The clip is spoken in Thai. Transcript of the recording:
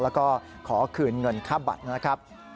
แล้วก็ขอคืนเงินค่าบัตรนะครับ